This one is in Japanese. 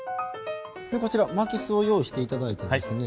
こちら巻きすを用意して頂いてですね